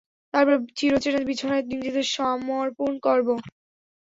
তারপর চিরচেনা বিছানায় নিজেদের সমর্পণ করব!